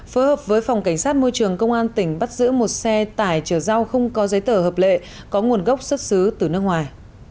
phối hợp với phòng cảnh sát môi trường công an tỉnh bắt giữ một xe tải chở rau không có giấy tờ hợp lệ có nguồn gốc xuất xứ từ nước ngoài